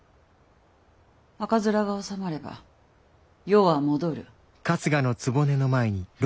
赤面が治まれば世は戻る。